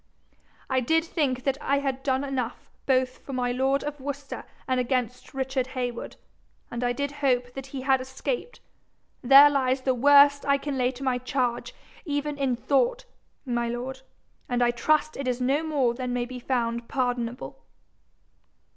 'I did think that I had done enough both for my lord of Worcester and against Richard Heywood, and I did hope that he had escaped: there lies the worst I can lay to my charge even in thought, my lord, and I trust it is no more than may be found pardonable.'